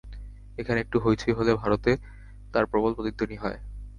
এখানে একটু হইচই হলে ভারতে তার প্রবল প্রতিধ্বনি হয়।